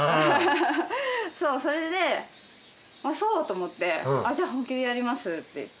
そうそれでそうだと思って「じゃあ本気でやります」って言って。